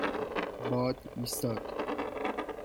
باد ایستاد.